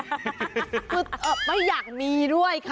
คือไม่อยากมีด้วยค่ะ